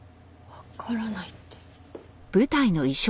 わからないって。